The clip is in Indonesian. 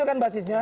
itu kan basisnya